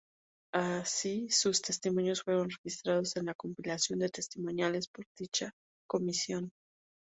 Así sus testimonios fueron registrados en la compilación de testimoniales por dicha Comisión.